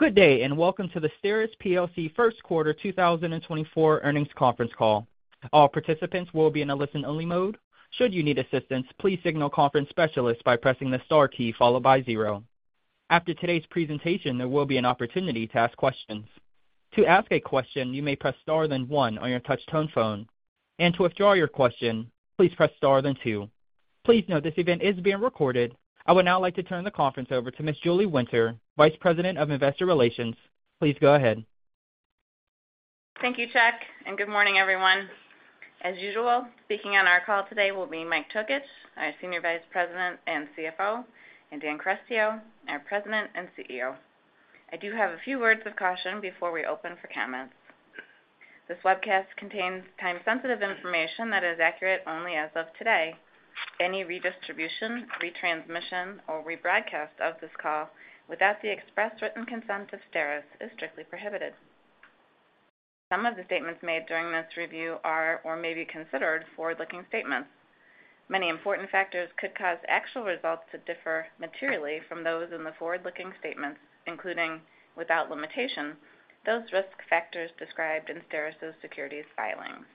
Good day, welcome to the STERIS plc First Quarter 2024 Earnings Conference Call. All participants will be in a listen-only mode. Should you need assistance, please signal conference specialist by pressing the star key followed by zero. After today's presentation, there will be an opportunity to ask questions. To ask a question, you may press star, then one on your touchtone phone, and to withdraw your question, please press star, then two. Please note this event is being recorded. I would now like to turn the conference over to Miss Julie Winter, Vice President of Investor Relations. Please go ahead. Thank you, Chuck, and good morning, everyone. As usual, speaking on our call today will be Mike Tokich, our Senior Vice President and CFO, and Dan Carestio, our President and CEO. I do have a few words of caution before we open for comments. This webcast contains time-sensitive information that is accurate only as of today. Any redistribution, retransmission, or rebroadcast of this call without the express written consent of STERIS is strictly prohibited. Some of the statements made during this review are or may be considered forward-looking statements. Many important factors could cause actual results to differ materially from those in the forward-looking statements, including, without limitation, those risk factors described in STERIS's securities filings.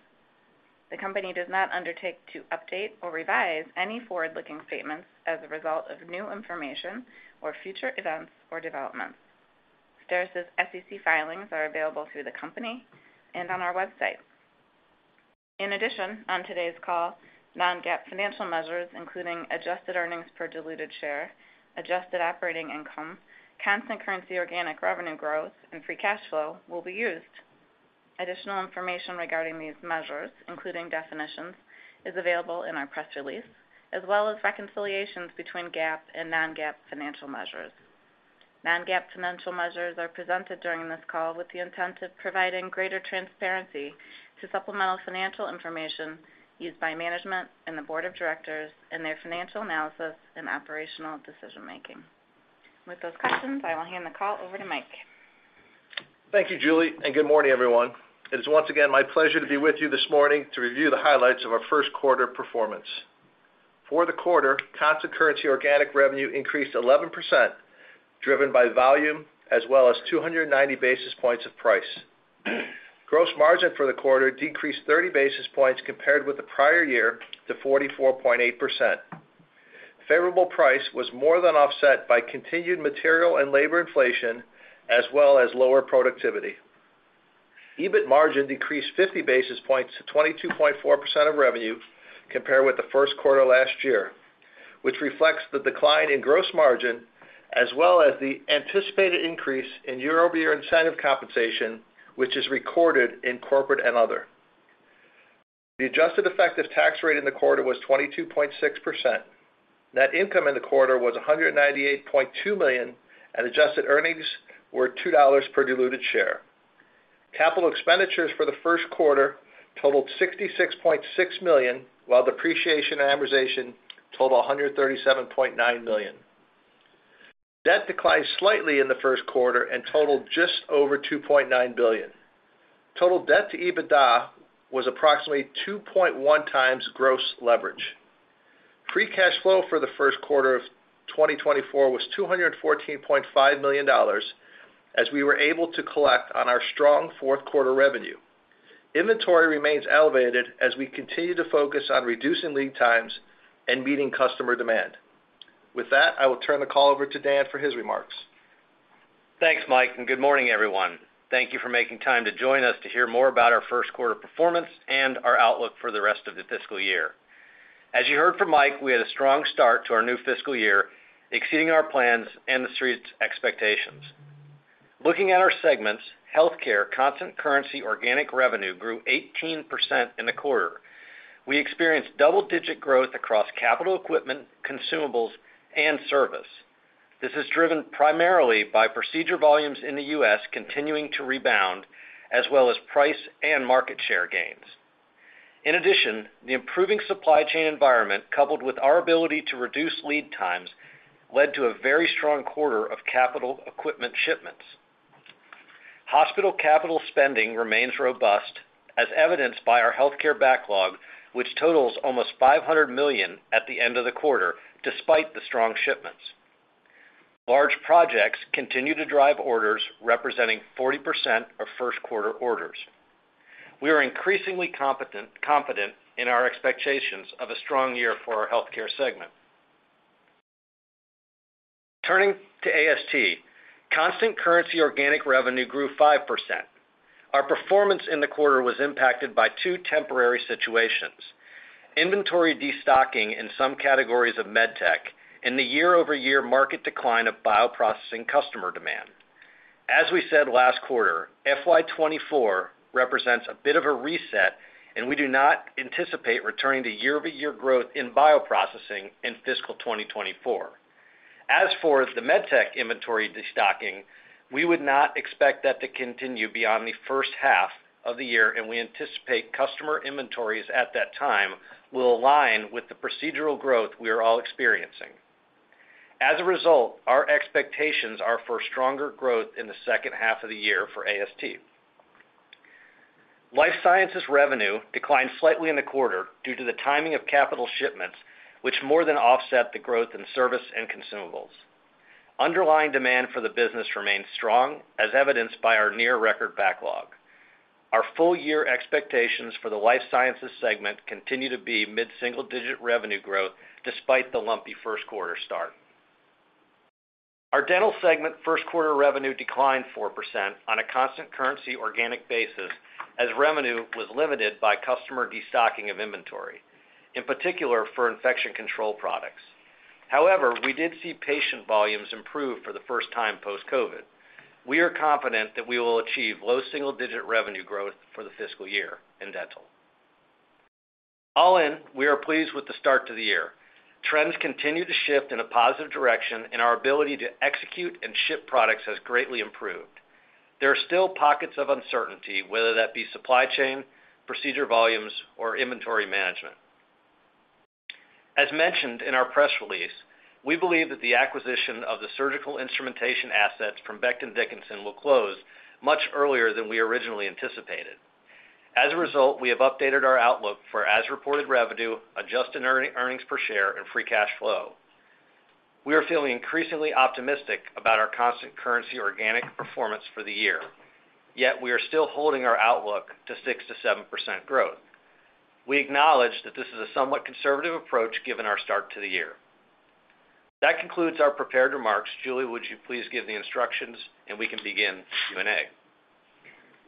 The company does not undertake to update or revise any forward-looking statements as a result of new information or future events or developments. STERIS's SEC filings are available through the company and on our website. On today's call, non-GAAP financial measures, including adjusted earnings per diluted share, adjusted operating income, constant currency organic revenue growth, and free cash flow, will be used. Additional information regarding these measures, including definitions, is available in our press release, as well as reconciliations between GAAP and non-GAAP financial measures. Non-GAAP financial measures are presented during this call with the intent of providing greater transparency to supplemental financial information used by management and the board of directors in their financial analysis and operational decision making. With those questions, I will hand the call over to Mike. Thank you, Julie. Good morning, everyone. It is once again my pleasure to be with you this morning to review the highlights of our first quarter performance. For the quarter, constant currency organic revenue increased 11%, driven by volume as well as 290 basis points of price. Gross margin for the quarter decreased 30 basis points compared with the prior year to 44.8%. Favorable price was more than offset by continued material and labor inflation, as well as lower productivity. EBIT margin decreased 50 basis points to 22.4% of revenue compared with the first quarter last year, which reflects the decline in gross margin, as well as the anticipated increase in year-over-year incentive compensation, which is recorded in corporate and other. The adjusted effective tax rate in the quarter was 22.6%. Net income in the quarter was $198.2 million, and adjusted earnings were $2 per diluted share. Capital expenditures for the first quarter totaled $66.6 million, while depreciation and amortization totaled $137.9 million. Debt declined slightly in the first quarter and totaled just over $2.9 billion. Total debt to EBITDA was approximately 2.1x gross leverage. Free cash flow for the first quarter of 2024 was $214.5 million, as we were able to collect on our strong fourth quarter revenue. Inventory remains elevated as we continue to focus on reducing lead times and meeting customer demand. With that, I will turn the call over to Dan for his remarks. Thanks, Mike. Good morning, everyone. Thank you for making time to join us to hear more about our first quarter performance and our outlook for the rest of the fiscal year. As you heard from Mike, we had a strong start to our new fiscal year, exceeding our plans and the street's expectations. Looking at our segments, Healthcare, constant currency, organic revenue grew 18% in the quarter. We experienced double-digit growth across capital equipment, consumables, and service. This is driven primarily by procedure volumes in the U.S. continuing to rebound, as well as price and market share gains. In addition, the improving supply chain environment, coupled with our ability to reduce lead times, led to a very strong quarter of capital equipment shipments. Hospital capital spending remains robust, as evidenced by our Healthcare backlog, which totals almost $500 million at the end of the quarter, despite the strong shipments. Large projects continue to drive orders, representing 40% of first quarter orders. We are increasingly competent, confident in our expectations of a strong year for our Healthcare segment. Turning to AST, constant currency organic revenue grew 5%. Our performance in the quarter was impacted by two temporary situations: inventory destocking in some categories of medtech and the year-over-year market decline of bioprocessing customer demand. As we said last quarter, FY 2024 represents a bit of a reset, and we do not anticipate returning to year-over-year growth in bioprocessing in fiscal 2024. As for the medtech inventory destocking, we would not expect that to continue beyond the first half of the year, and we anticipate customer inventories at that time will align with the procedural growth we are all experiencing. As a result, our expectations are for stronger growth in the second half of the year for AST. Life Sciences revenue declined slightly in the quarter due to the timing of capital shipments, which more than offset the growth in service and consumables. Underlying demand for the business remains strong, as evidenced by our near record backlog. Our full year expectations for the Life Sciences segment continue to be mid-single-digit revenue growth, despite the lumpy first quarter start. Our Dental segment first quarter revenue declined 4% on a constant currency organic basis, as revenue was limited by customer destocking of inventory, in particular for infection control products. However, we did see patient volumes improve for the first time post-COVID. We are confident that we will achieve low single-digit revenue growth for the fiscal year in Dental. All in, we are pleased with the start to the year. Trends continue to shift in a positive direction, and our ability to execute and ship products has greatly improved. There are still pockets of uncertainty, whether that be supply chain, procedure volumes, or inventory management. As mentioned in our press release, we believe that the acquisition of the surgical instrumentation assets from Becton Dickinson will close much earlier than we originally anticipated. As a result, we have updated our outlook for as-reported revenue, adjusted earnings per share, and free cash flow. We are feeling increasingly optimistic about our constant currency organic performance for the year, yet we are still holding our outlook to 6%-7% growth. We acknowledge that this is a somewhat conservative approach, given our start to the year. That concludes our prepared remarks. Julie, would you please give the instructions, and we can begin Q&A?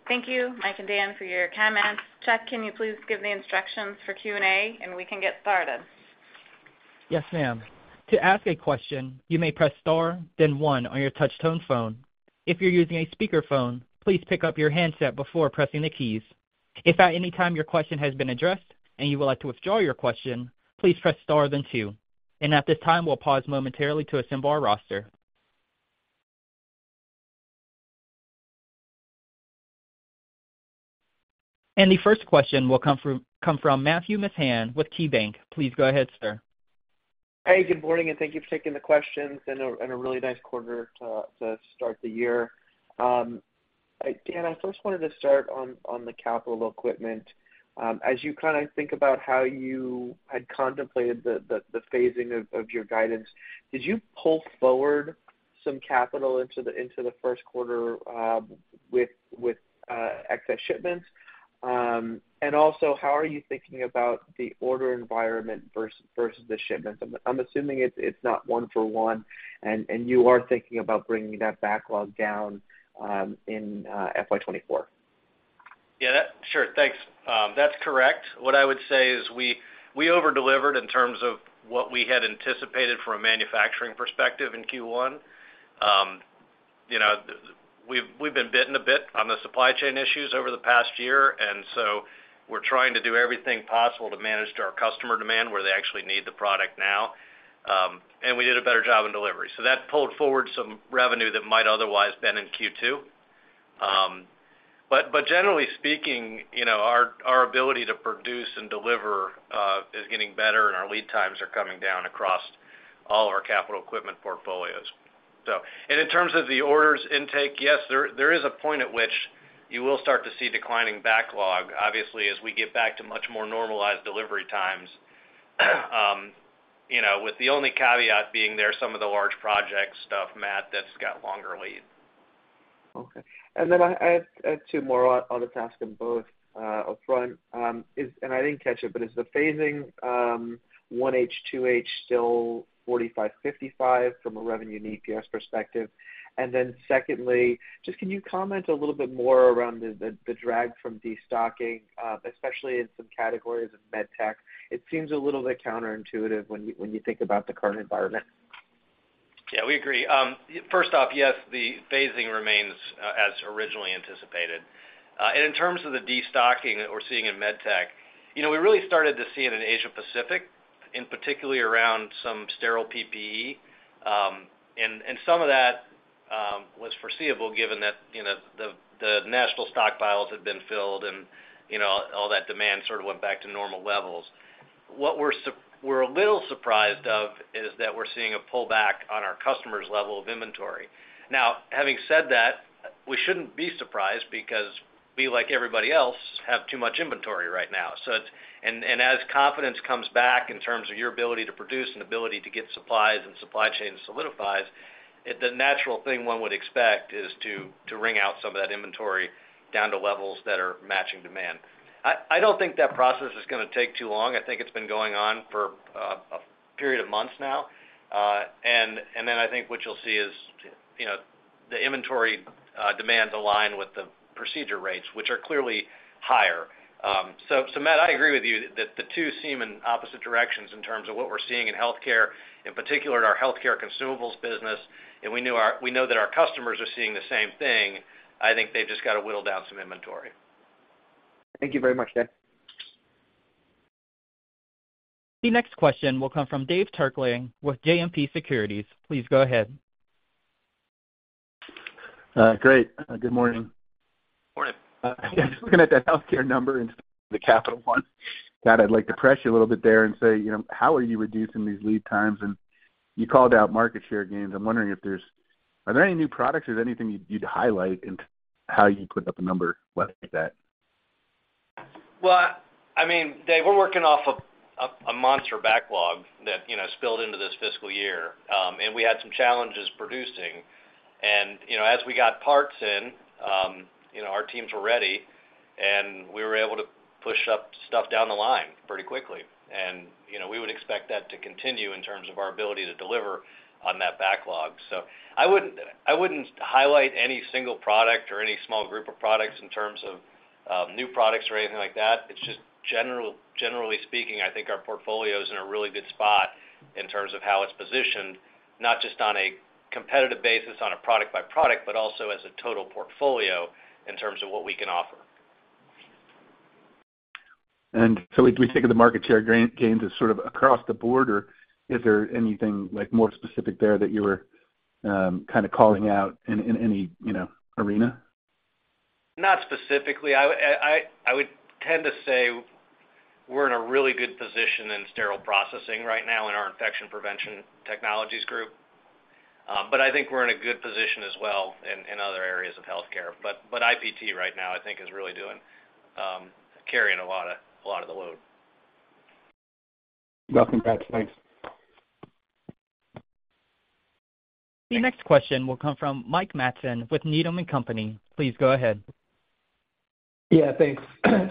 Thank you, Mike and Dan, for your comments. Chuck, can you please give the instructions for Q&A, and we can get started? Yes, ma'am. To ask a question, you may press star then one on your touch-tone phone. If you're using a speakerphone, please pick up your handset before pressing the keys. If at any time your question has been addressed and you would like to withdraw your question, please press star then two. At this time, we'll pause momentarily to assemble our roster. The first question will come from Matthew Mishan with KeyBanc. Please go ahead, sir. Hey, good morning, and thank you for taking the questions, and a really nice quarter to start the year. Dan, I first wanted to start on the capital equipment. As you kind of think about how you had contemplated the phasing of your guidance, did you pull forward some capital into the first quarter with excess shipments? Also, how are you thinking about the order environment versus the shipments? I'm assuming it's not one for one, and you are thinking about bringing that backlog down in FY 2024. Yeah, that-- sure. Thanks. That's correct. What I would say is we, we over-delivered in terms of what we had anticipated from a manufacturing perspective in Q1. You know, the, we've, we've been bitten a bit on the supply chain issues over the past year, and so we're trying to do everything possible to manage to our customer demand, where they actually need the product now. And we did a better job in delivery. That pulled forward some revenue that might otherwise been in Q2. But, generally speaking, you know, our, our ability to produce and deliver, is getting better, and our lead times are coming down across all of our capital equipment portfolios. And in terms of the orders intake, yes, there, there is a point at which you will start to see declining backlog, obviously, as we get back to much more normalized delivery times, you know, with the only caveat being there are some of the large project stuff, Matt, that's got longer lead. Okay. I, I have, I have two more on, on the task in both upfront. I didn't catch it, but is the phasing, 1H, 2H still 45, 55 from a revenue and EPS perspective? Secondly, just can you comment a little bit more around the, the, the drag from destocking, especially in some categories of medtech? It seems a little bit counterintuitive when you, when you think about the current environment. Yeah, we agree. First off, yes, the phasing remains as originally anticipated. In terms of the destocking that we're seeing in medtech, you know, we really started to see it in Asia Pacific, and particularly around some sterile PPE. Some of that was foreseeable given that, you know, the national stockpiles had been filled and, you know, all that demand sort of went back to normal levels. What we're a little surprised of is that we're seeing a pullback on our customers' level of inventory. Now, having said that, we shouldn't be surprised because we, like everybody else, have too much inventory right now. As confidence comes back in terms of your ability to produce and ability to get supplies and supply chain solidifies, the natural thing one would expect is to, to wring out some of that inventory down to levels that are matching demand. I don't think that process is gonna take too long. I think it's been going on for a period of months now. Then I think what you'll see is, you know, the inventory demand align with the procedure rates, which are clearly higher. Matt, I agree with you that the two seem in opposite directions in terms of what we're seeing in Healthcare, in particular in our Healthcare consumables business, and we know that our customers are seeing the same thing. I think they've just got to whittle down some inventory. Thank you very much, Dan. The next question will come from David Turkaly with JMP Securities. Please go ahead. Great. Good morning. Morning. Just looking at the Healthcare number and the capital one, that I'd like to press you a little bit there and say, you know, how are you reducing these lead times? You called out market share gains. I'm wondering if there's. Are there any new products or anything you'd, you'd highlight in how you put up a number like that? Well, I, I mean, Dave, we're working off of a, a monster backlog that, you know, spilled into this fiscal year. We had some challenges producing. As we got parts in, you know, our teams were ready, and we were able to push up stuff down the line pretty quickly. We would expect that to continue in terms of our ability to deliver on that backlog. I wouldn't, I wouldn't highlight any single product or any small group of products in terms of new products or anything like that. It's just generally speaking, I think our portfolio is in a really good spot in terms of how it's positioned, not just on a competitive basis, on a product by product, but also as a total portfolio in terms of what we can offer. Do we think of the market share gain, gains as sort of across the board, or is there anything, like, more specific there that you were kind of calling out in, in any, you know, arena? Not specifically. I, I, I would tend to say we're in a really good position in sterile processing right now in our Infection Prevention Technologies group. I think we're in a good position as well in, in other areas of Healthcare. IPT right now, I think is really doing, carrying a lot of, a lot of the load. Welcome back. Thanks. The next question will come from Mike Matson with Needham & Company. Please go ahead. Yeah, thanks.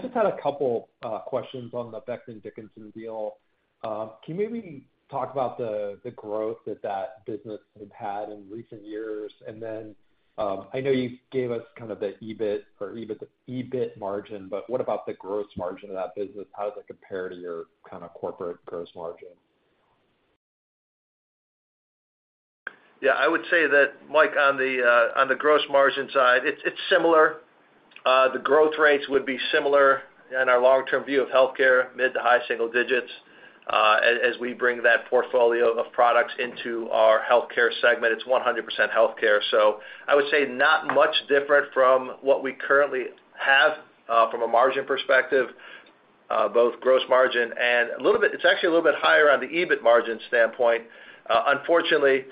Just had a couple questions on the Becton Dickinson deal. Can you maybe talk about the, the growth that that business has had in recent years? Then, I know you gave us kind of the EBIT or EBIT, EBIT margin, but what about the gross margin of that business? How does it compare to your kind of corporate gross margin? Yeah, I would say that, Mike, on the on the gross margin side, it's similar. The growth rates would be similar in our long-term view of Healthcare, mid to high single digits. As, as we bring that portfolio of products into our Healthcare segment, it's 100% Healthcare. I would say not much different from what we currently have, from a margin perspective, both gross margin and a little bit... It's actually a little bit higher on the EBIT margin standpoint. Unfortunately,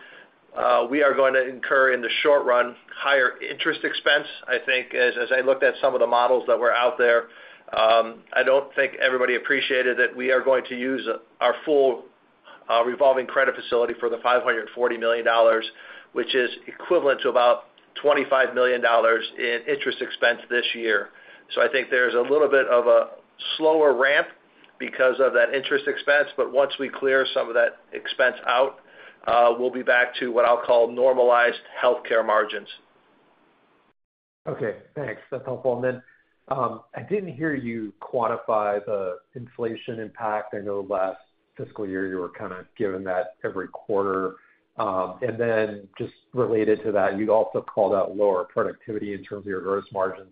we are going to incur, in the short run, higher interest expense. I think as, as I looked at some of the models that were out there, I don't think everybody appreciated that we are going to use our full revolving credit facility for the $540 million, which is equivalent to about $25 million in interest expense this year. I think there's a little bit of a slower ramp because of that interest expense, but once we clear some of that expense out, we'll be back to what I'll call normalized Healthcare margins. Okay, thanks. That's helpful. I didn't hear you quantify the inflation impact. I know last fiscal year, you were kind of giving that every quarter. Just related to that, you also called out lower productivity in terms of your gross margin.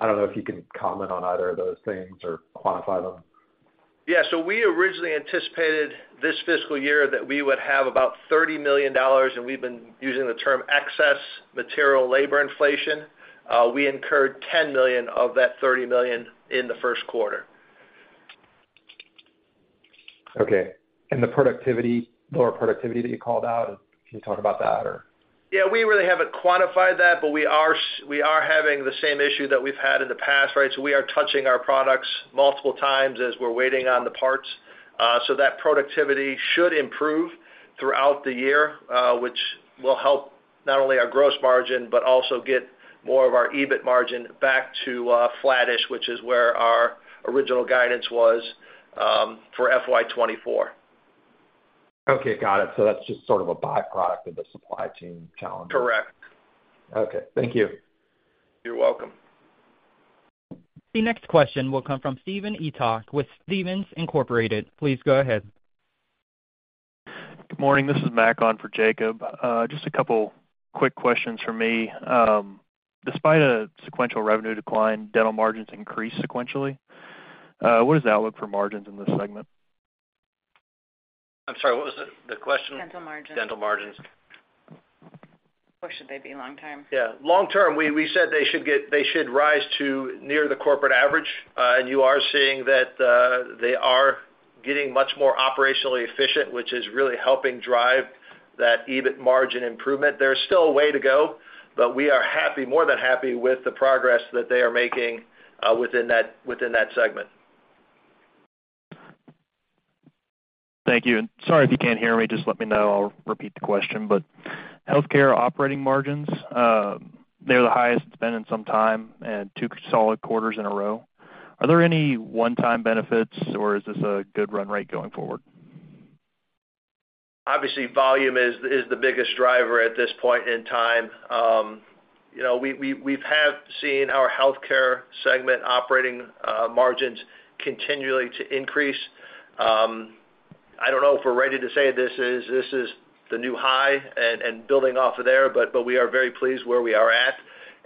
I don't know if you can comment on either of those things or quantify them. Yeah, we originally anticipated this fiscal year that we would have about $30 million, and we've been using the term excess material labor inflation. We incurred $10 million of that $30 million in the first quarter. Okay. The productivity, lower productivity that you called out, can you talk about that, or? Yeah, we really haven't quantified that, but we are we are having the same issue that we've had in the past, right? We are touching our products multiple times as we're waiting on the parts. That productivity should improve throughout the year, which will help not only our gross margin, but also get more of our EBIT margin back to flattish, which is where our original guidance was for FY 2024. Okay, got it. That's just sort of a by-product of the supply chain challenge? Correct. Okay. Thank you. You're welcome. The next question will come from Jacob Johnson with Stephens Inc. Please go ahead. Good morning. This is Mark on for Jacob. Just a couple quick questions from me. Despite a sequential revenue decline, dental margins increased sequentially. What is the outlook for margins in this segment? I'm sorry, what was the, the question? Dental margins. Dental margins. Where should they be long term? Yeah. Long term, we, we said they should get, they should rise to near the corporate average. You are seeing that, they are getting much more operationally efficient, which is really helping drive that EBIT margin improvement. There's still a way to go, but we are happy, more than happy, with the progress that they are making, within that, within that segment. Thank you. Sorry, if you can't hear me, just let me know. I'll repeat the question. Healthcare operating margins, they're the highest it's been in some time and two solid quarters in a row. Are there any one-time benefits, or is this a good run rate going forward? Obviously, volume is, is the biggest driver at this point in time. you know, we, we, we've have seen our Healthcare segment operating margins continually to increase. I don't know if we're ready to say this is, this is the new high and, and building off of there, but, but we are very pleased where we are at.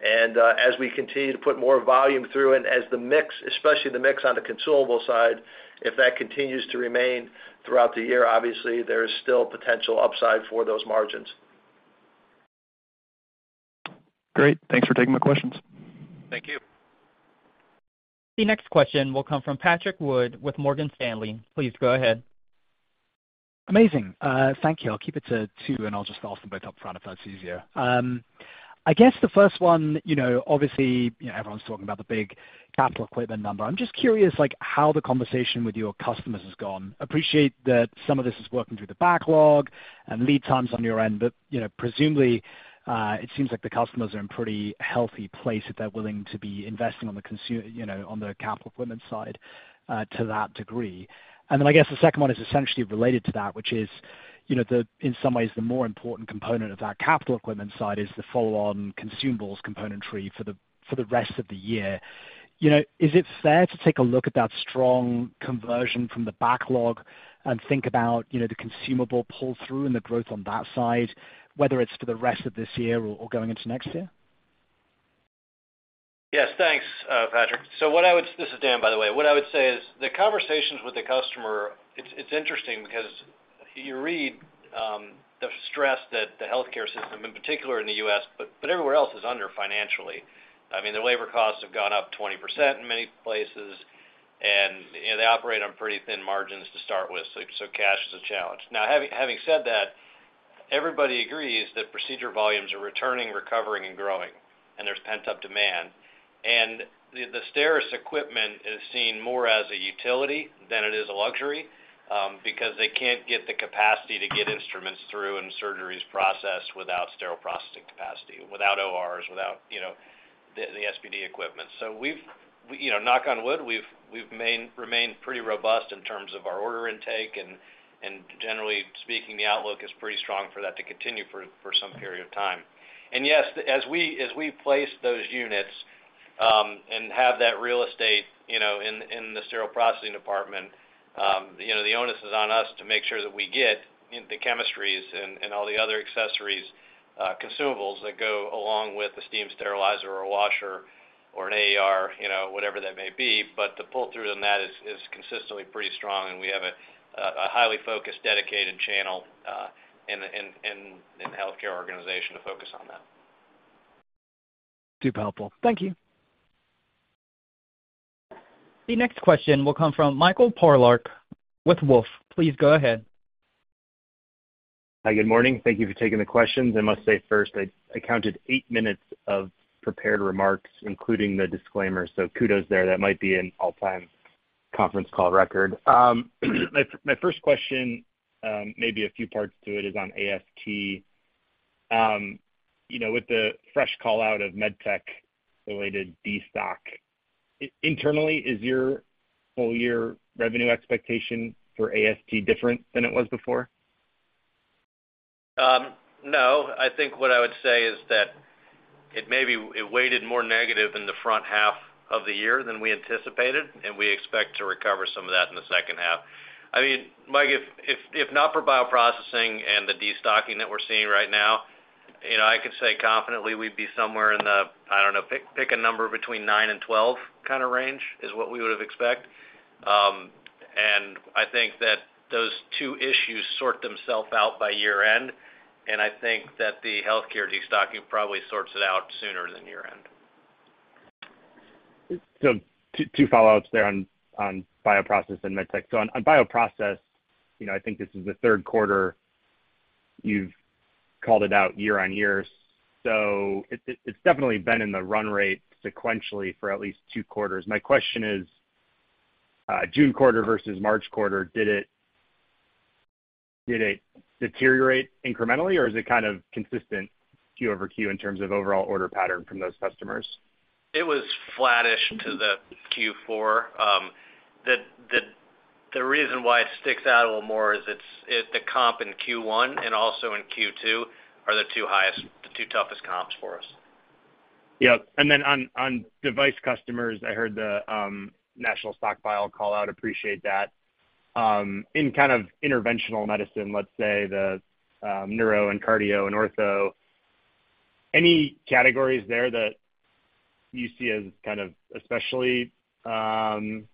As we continue to put more volume through and as the mix, especially the mix on the consumable side, if that continues to remain throughout the year, obviously, there is still potential upside for those margins. Great. Thanks for taking my questions. Thank you. The next question will come from Patrick Wood with Morgan Stanley. Please go ahead. Amazing. Thank you. I'll keep it to two, and I'll just ask them both up front if that's easier. I guess the first one, you know, obviously, you know, everyone's talking about the big capital equipment number. I'm just curious, like, how the conversation with your customers has gone. Appreciate that some of this is working through the backlog and lead times on your end, but, you know, presumably, it seems like the customers are in pretty healthy place if they're willing to be investing on the you know, on the capital equipment side, to that degree. I guess the second one is essentially related to that, which is, you know, the, in some ways, the more important component of that capital equipment side is the follow-on consumables componentry for the, for the rest of the year. You know, is it fair to take a look at that strong conversion from the backlog and think about, you know, the consumable pull-through and the growth on that side, whether it's for the rest of this year or, or going into next year? Yes, thanks, Patrick. This is Dan, by the way. What I would say is, the conversations with the customer, it's, it's interesting because you read, the stress that the Healthcare system, in particular in the U.S., but, but everywhere else, is under financially. I mean, the labor costs have gone up 20% in many places, and, you know, they operate on pretty thin margins to start with, so, so cash is a challenge. Now, having, having said that, everybody agrees that procedure volumes are returning, recovering, and growing, and there's pent-up demand. The, the STERIS equipment is seen more as a utility than it is a luxury, because they can't get the capacity to get instruments through and surgeries processed without sterile processing capacity, without ORs, without, you know, the, the SPD equipment. We've, we, you know, knock on wood, we've, we've remained pretty robust in terms of our order intake, and, and generally speaking, the outlook is pretty strong for that to continue for, for some period of time. Yes, as we, as we place those units, and have that real estate, you know, in, in the sterile processing department, you know, the onus is on us to make sure that we get the chemistries and, and all the other accessories, consumables that go along with the steam sterilizer or washer or an AER, you know, whatever that may be. The pull-through on that is, is consistently pretty strong, and we have a, a highly focused, dedicated channel in the Healthcare organization to focus on that. Super helpful. Thank you. The next question will come from Michael Polark with Wolfe. Please go ahead. Hi, good morning. Thank you for taking the questions. I must say first, I, I counted eight minutes of prepared remarks, including the disclaimer, so kudos there. That might be an all-time conference call record. My, my first question, maybe a few parts to it, is on AST. You know, with the fresh call-out of medtech-related destock, internally, is your full year revenue expectation for AST different than it was before? No. I think what I would say is that it weighted more negative in the front half of the year than we anticipated. We expect to recover some of that in the second half. I mean, Mike, if, if, if not for bioprocessing and the destocking that we're seeing right now, you know, I could say confidently we'd be somewhere in the, I don't know, pick, pick a number between nine and 12 kind of range is what we would have expect. I think that those two issues sort themselves out by year-end, and I think that the Healthcare destocking probably sorts it out sooner than year-end. Two, two follow-ups there on, on bioprocess and medtech. On, on bioprocess, you know, I think this is the third quarter you've called it out year-over-year, so it, it, it's definitely been in the run rate sequentially for at least two quarters. My question is, June quarter versus March quarter, did it, did it deteriorate incrementally, or is it kind of consistent Q over Q in terms of overall order pattern from those customers? It was flattish to the Q4. The reason why it sticks out a little more is it's the comp in Q1 and also in Q2 are the two highest, the two toughest comps for us. Yep. Then on, on device customers, I heard the national stockpile call out. Appreciate that. In kind of interventional medicine, let's say the neuro and cardio and ortho, any categories there that you see as kind of especially kind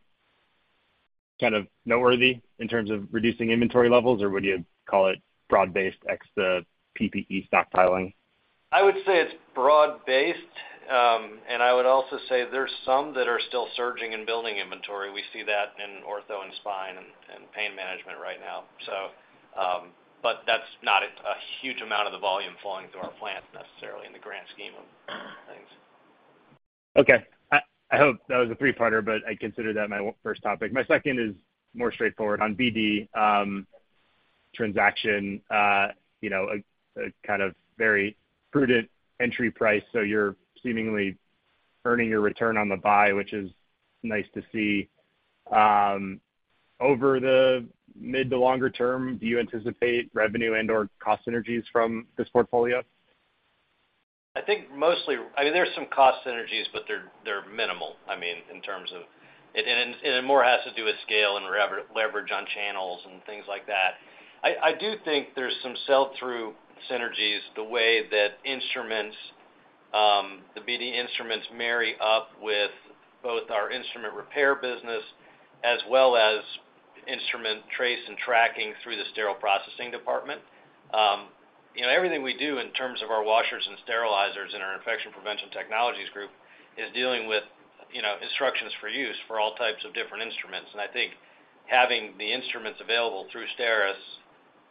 of noteworthy in terms of reducing inventory levels, or would you call it broad-based ex the PPE stockpiling? I would say it's broad-based, and I would also say there's some that are still surging and building inventory. We see that in ortho and spine and, and pain management right now. That's not a, a huge amount of the volume flowing through our plants necessarily in the grand scheme of things. Okay. I, I hope that was a three-parter, but I consider that my first topic. My second is more straightforward. On BD, transaction, you know, a, a kind of very prudent entry price, so you're seemingly earning your return on the buy, which is nice to see. Over the mid to longer term, do you anticipate revenue and/or cost synergies from this portfolio? I think mostly. I mean, there's some cost synergies, but they're, they're minimal, I mean, in terms of. It more has to do with scale and leverage on channels and things like that. I, I do think there's some sell-through synergies, the way that instruments, the BD instruments marry up with both our instrument repair business as well as instrument trace and tracking through the sterile processing department. You know, everything we do in terms of our washers and sterilizers in our Infection Prevention Technologies group is dealing with, you know, instructions for use for all types of different instruments. I think having the instruments available through STERIS,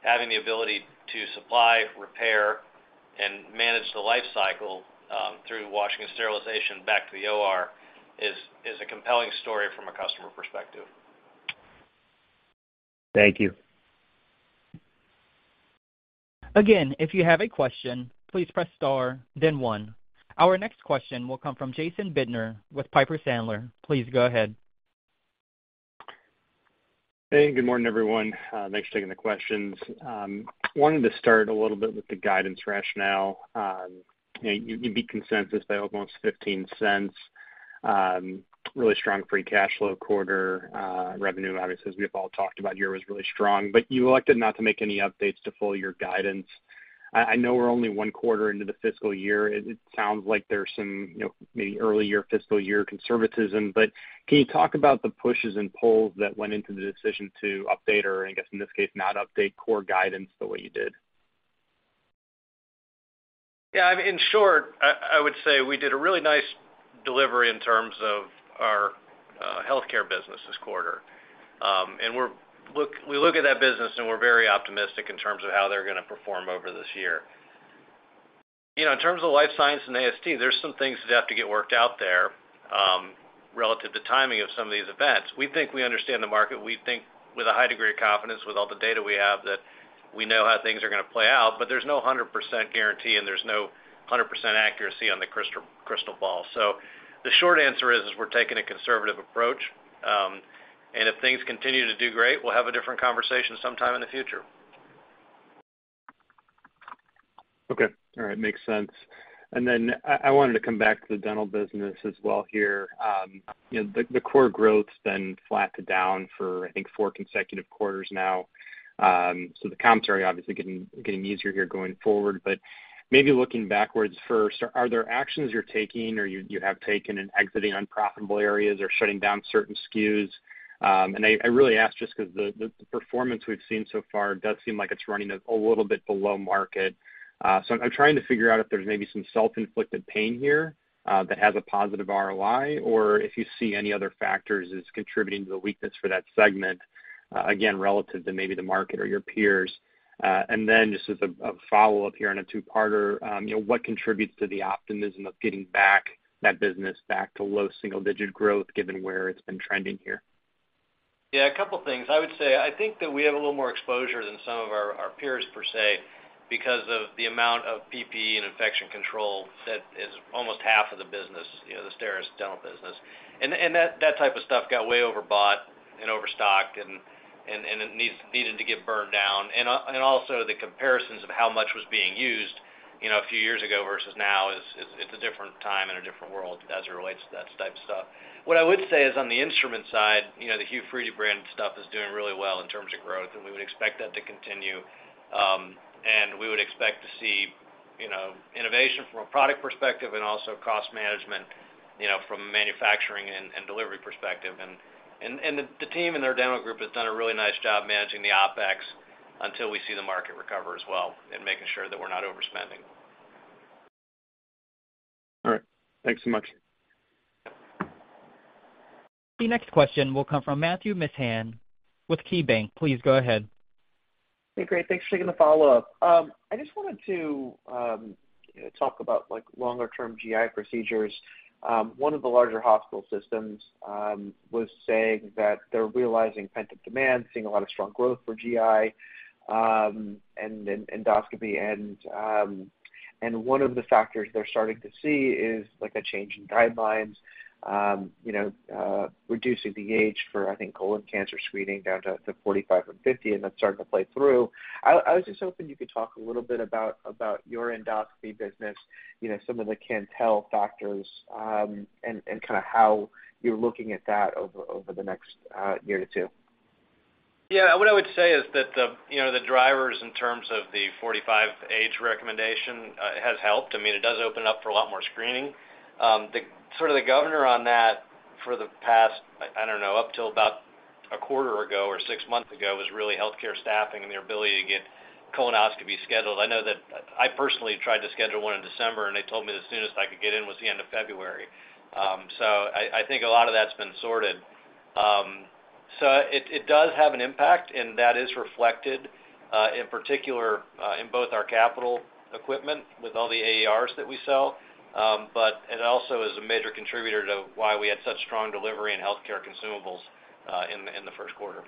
having the ability to supply, repair, and manage the life cycle, through washing and sterilization back to the OR, is, is a compelling story from a customer perspective. Thank you. Again, if you have a question, please press star one. Our next question will come from Jason Bednar with Piper Sandler. Please go ahead. Hey, good morning, everyone. Thanks for taking the questions. Wanted to start a little bit with the guidance rationale. You know, you, you beat consensus by almost $0.15. Really strong free cash flow quarter, revenue, obviously, as we've all talked about, year was really strong, but you elected not to make any updates to full year guidance. I, I know we're only one quarter into the fiscal year. It, it sounds like there's some, you know, maybe early year, fiscal year conservatism, but can you talk about the pushes and pulls that went into the decision to update, or I guess, in this case, not update core guidance the way you did? Yeah, I mean, in short, I, I would say we did a really nice delivery in terms of our Healthcare business this quarter. We look at that business, and we're very optimistic in terms of how they're gonna perform over this year. You know, in terms of Life Sciences and AST, there's some things that have to get worked out there, relative to timing of some of these events. We think we understand the market. We think with a high degree of confidence, with all the data we have, that we know how things are gonna play out, but there's no 100% guarantee, and there's no 100% accuracy on the crystal, crystal ball. The short answer is, is we're taking a conservative approach, and if things continue to do great, we'll have a different conversation sometime in the future. Okay. All right. Makes sense. I, I wanted to come back to the dental business as well here, you know, the core growth's been flat to down for, I think, four consecutive quarters now. The commentary obviously getting, getting easier here going forward, but maybe looking backwards first, are, are there actions you're taking or you, you have taken in exiting unprofitable areas or shutting down certain SKUs? I, I really ask just 'cause the performance we've seen so far does seem like it's running a little bit below market. I'm trying to figure out if there's maybe some self-inflicted pain here, that has a positive ROI, or if you see any other factors that's contributing to the weakness for that segment, again, relative to maybe the market or your peers? Just as a, a follow-up here on a two-parter, you know, what contributes to the optimism of getting back, that business back to low single-digit growth, given where it's been trending here? Yeah, a couple things. I would say, I think that we have a little more exposure than some of our, our peers per se, because of the amount of PPE and infection control that is almost half of the business, you know, the STERIS Dental business. Also, the comparisons of how much was being used, you know, a few years ago versus now is. It's a different time and a different world as it relates to that type of stuff. What I would say is on the instrument side, you know, the Hu-Friedy brand stuff is doing really well in terms of growth, and we would expect that to continue. We would expect to see, you know, innovation from a product perspective and also cost management, you know, from a manufacturing and, and delivery perspective. And, and the, the team in their dental group has done a really nice job managing the OpEx until we see the market recover as well and making sure that we're not overspending. All right. Thanks so much. The next question will come from Matthew Mishan with KeyBanc. Please go ahead. Hey, great. Thanks for taking the follow-up. I just wanted to talk about, like, longer term GI procedures. One of the larger hospital systems was saying that they're realizing pent-up demand, seeing a lot of strong growth for GI, and then endoscopy, and one of the factors they're starting to see is, like, a change in guidelines, you know, reducing the age for, I think, colon cancer screening down to 45 from 50, and that's starting to play through. I, I was just hoping you could talk a little bit about, about your endoscopy business, you know, some of the Cantel factors, and, and kinda how you're looking at that over, over the next year to two. Yeah. What I would say is that the, you know, the drivers in terms of the 45 age recommendation has helped. I mean, it does open up for a lot more screening. The sort of the governor on that for the past, I, I don't know, up till about a quarter ago or six months ago, was really Healthcare staffing and their ability to get colonoscopy scheduled. I know that I personally tried to schedule one in December, and they told me the soonest I could get in was the end of February. I, I think a lot of that's been sorted. It, it does have an impact, and that is reflected in particular, in both our capital equipment with all the AERs that we sell, but it also is a major contributor to why we had such strong delivery in Healthcare consumables, in the, in the first quarter.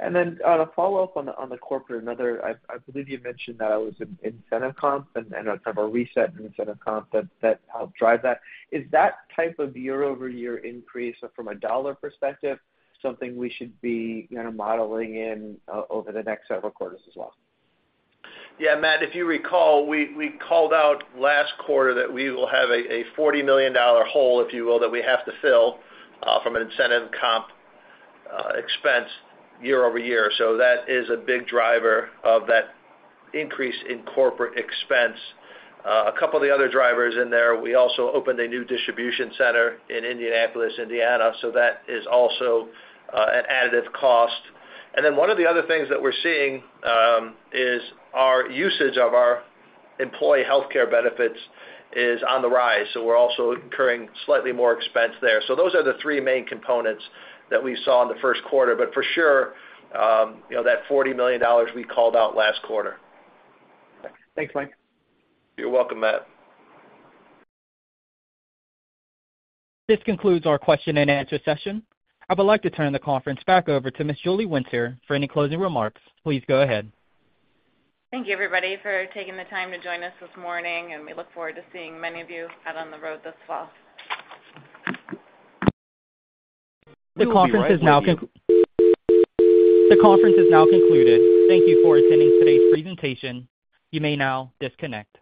To follow up on the, on the corporate, another... I believe you mentioned that it was in incentive comp and a type of a reset in incentive comp that helped drive that. Is that type of year-over-year increase from a dollar perspective, something we should be, you know, modeling in over the next several quarters as well? Yeah, Matt, if you recall, we, we called out last quarter that we will have a $40 million hole, if you will, that we have to fill, from an incentive comp expense year-over-year. That is a big driver of that increase in corporate expense. A couple of the other drivers in there, we also opened a new distribution center in Indianapolis, Indiana, so that is also an additive cost. One of the other things that we're seeing, is our usage of our employee Healthcare benefits is on the rise, so we're also incurring slightly more expense there. Those are the three main components that we saw in the first quarter, but for sure, you know, that $40 million we called out last quarter. Thanks, Mike. You're welcome, Matt. This concludes our question and answer session. I would like to turn the conference back over to Ms. Julie Winter for any closing remarks. Please go ahead. Thank you, everybody, for taking the time to join us this morning, and we look forward to seeing many of you out on the road this fall. The conference is now concluded. Thank you for attending today's presentation. You may now disconnect.